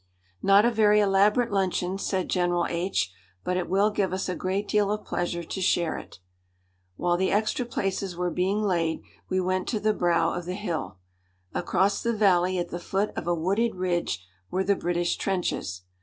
"Not a very elaborate luncheon," said General H , "but it will give us a great deal of pleasure to share it." While the extra places were being laid we went to the brow of the hill. Across the valley at the foot of a wooded ridge were the British trenches.